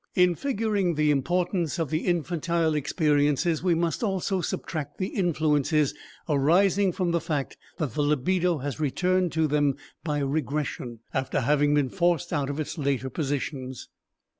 In figuring the importance of the infantile experiences we must also subtract the influences arising from the fact that the libido has returned to them by regression, after having been forced out of its later positions.